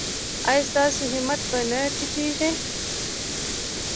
ایا ستاسو همت به نه ټیټیږي؟